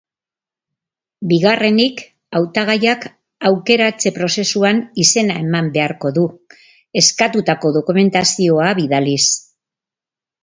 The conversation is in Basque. Bigarrenik, hautagaiak aukeratze-prozesuan izena eman beharko du, eskatutako dokumentazioa bidaliz.